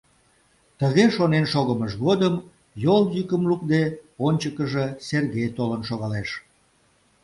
Тыге шонен шогымыж годым, йол йӱкым лукде, ончыкыжо Сергей толын шогалеш.